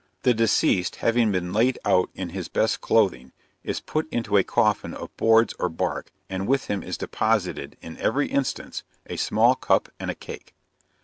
The deceased having been laid out in his best clothing, is put into a coffin of boards or bark, and with him is deposited, in every instance, a small cup and a cake.